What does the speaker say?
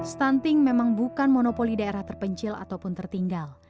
stunting memang bukan monopoli daerah terpencil ataupun tertinggal